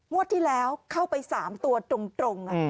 ที่แล้วเข้าไป๓ตัวตรง